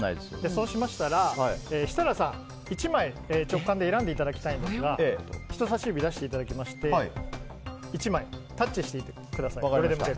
そうしましたら、設楽さん１枚直感で選んでいただきたいんですが人さし指を出していただきまして１枚タッチしてみてください。